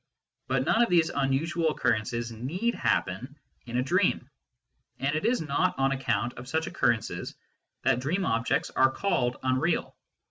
But none of these unusual occurrences need happen in a dream, and it is not on account of such occurrences that dream objects are called " unreal."